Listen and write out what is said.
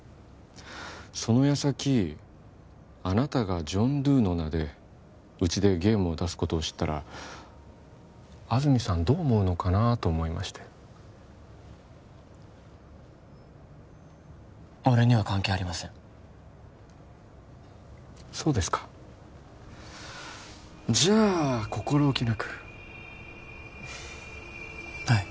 その矢先あなたがジョン・ドゥの名でうちでゲームを出すことを知ったら安積さんどう思うのかなと思いまして俺には関係ありませんそうですかじゃあ心置きなくはい